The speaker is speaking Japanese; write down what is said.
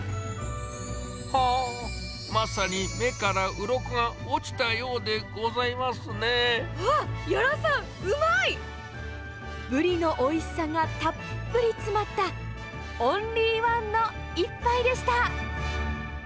はぁー、まさに目からうろこあっ、屋良さん、うまい！ブリのおいしさがたっぷり詰まった、オンリーワンの一杯でした。